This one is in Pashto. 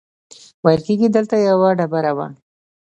ویل کېږي دلته یوه ډبره وه.